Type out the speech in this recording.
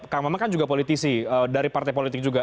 kang maman kan juga politisi dari partai politik juga